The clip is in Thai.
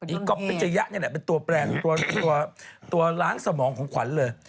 อีกก๊อฟเป็นเจยะเนี่ยแหละเป็นตัวแปลกตัวล้างสมองของขวัญเลย